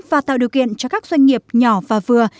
và tạo điều kiện cho các doanh nghiệp nhỏ và vừa